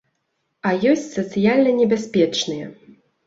А ёсць сацыяльна небяспечныя.